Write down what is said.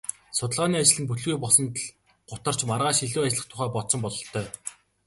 Судалгааны ажил нь бүтэлгүй болсонд л гутарч маргааш илүү ажиллах тухай бодсон бололтой.